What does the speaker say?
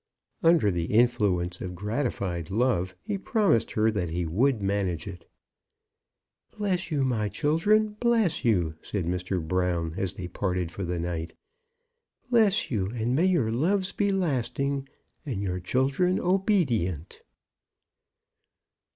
Under the influence of gratified love, he promised her that he would manage it. "Bless you, my children, bless you," said Mr. Brown, as they parted for the night. "Bless you, and may your loves be lasting, and your children obedient."